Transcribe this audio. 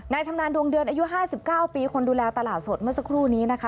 ชำนาญดวงเดือนอายุ๕๙ปีคนดูแลตลาดสดเมื่อสักครู่นี้นะคะ